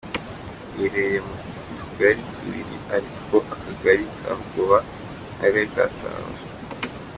Riherereye mu tugari tubiri aritwo akagari ka Rugoba n’akagari ka Taba.